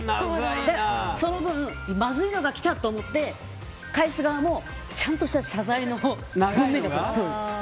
その分まずいのが来たと思って返す側もちゃんとした謝罪の文面で。